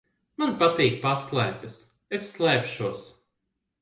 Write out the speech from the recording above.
Man patīk paslēpes. Es slēpšos.